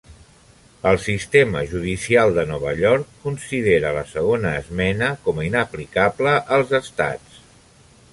El Sistema Judicial de Nova York considera la Segona esmena com a inaplicable als estats.